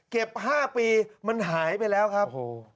๕ปีมันหายไปแล้วครับ